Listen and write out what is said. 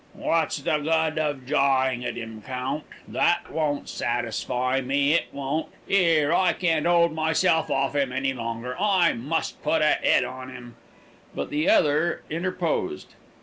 "What's the good of jawing at him, Count? That won't satisfy me, it won't. 'Ere, I can't 'old myself off him any longer. I must put a 'ed on him." But the other interposed.